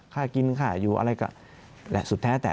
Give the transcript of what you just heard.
ค่ากินค่าอายุอะไรก็แหละสุดแท้